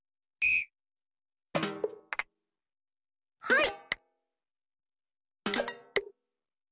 はい。